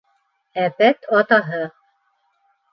Әпәт атаһы.